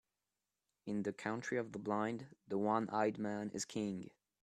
In the country of the blind, the one-eyed man is king.